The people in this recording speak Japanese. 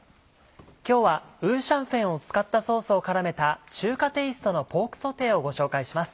今日は五香粉を使ったソースを絡めた中華テイストのポークソテーをご紹介します。